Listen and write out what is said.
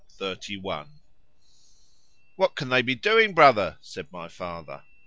XXXI ——WHAT can they be doing? brother, said my father.